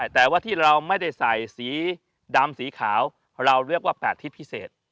แต่ว่าที่เราไม่ได้ใส่สีดำสีขาวเราเรียกว่า๘ทิศพิเศษ